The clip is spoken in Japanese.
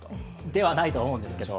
ではないと思うんですけど。